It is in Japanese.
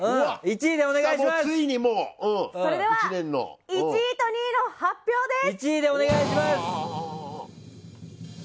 それでは１位と２位の発表です。